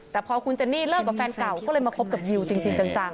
แต่พอคุณเจนนี่เลิกกับแฟนเก่าก็เลยมาคบกับยิวจริงจัง